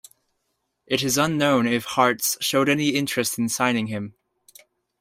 It is unknown if Hearts showed any interest in signing him.